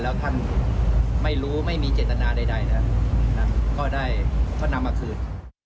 แล้วท่านไม่รู้ไม่มีเจตนาใดนะก็ได้ก็นำมาคืน